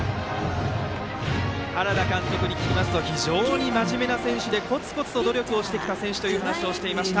原田監督に聞きますと非常にまじめな選手でコツコツと努力をしてきた選手という話をしていました。